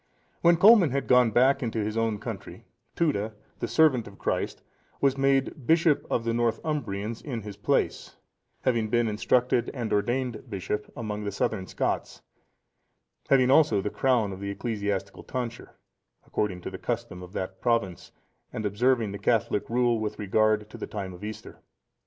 When Colman had gone back into his own country, Tuda, the servant of Christ, was made bishop of the Northumbrians(478) in his place, having been instructed and ordained bishop among the Southern Scots, having also the crown of the ecclesiastical tonsure, according to the custom of that province, and observing the Catholic rule with regard to the time of Easter.